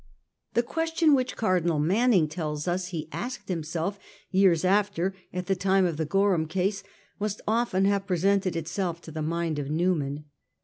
The question which Cardinal Manning tells us he asked himself years after at the time of the Gorham case, must often have presented itself to the mind of Newman.